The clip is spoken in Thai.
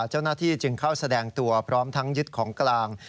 เจ้าหน้าที่จึงเข้าแสดงตัวพร้อมทั้งยึดของกลาง